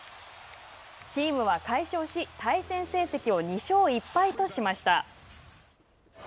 チームは快勝し対戦成績を２勝１敗としました。